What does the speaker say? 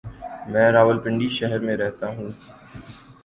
میں راولپنڈی شہر میں رہتا ہوں۔